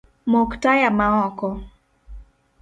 Mok taya maoko